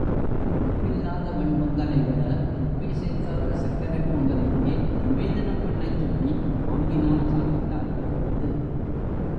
உப்பில்லாத வெண்பொங்கலைவிட உப்பேசேர்க்காத சர்க்கரைப் பொங்கலையே நிவேதனம் பண்ணச் சொல்லி வாங்கி நாம் சாப்பிட்டால் போகிறது.